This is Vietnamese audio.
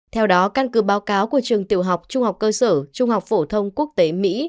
theo đó căn cứ báo cáo của trường tiểu học trung học cơ sở trung học phổ thông quốc tế mỹ